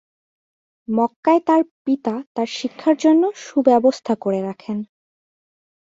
মক্কায় তার পিতা তার শিক্ষার জন্য সু-ব্যবস্থা করে রাখেন।